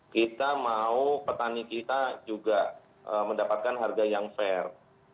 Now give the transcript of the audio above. kita mau petani kita juga mendapatkan harga yang fair